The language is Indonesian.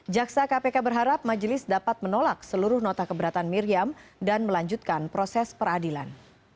jaksa kpk berharap majelis dapat menolak seluruh nota keberatan miriam dan melanjutkan proses peradilan